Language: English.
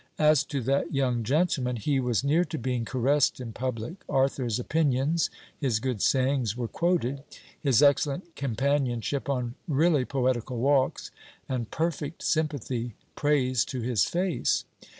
As to that young gentleman, he was near to being caressed in public. Arthur's opinions, his good sayings, were quoted; his excellent companionship on really poetical walks, and perfect sympathy, praised to his face.